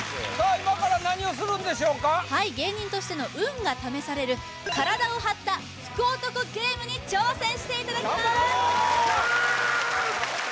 今から何をするんでしょうかはい芸人としての運が試される体を張った福男ゲームに挑戦していただきます頑張ろう！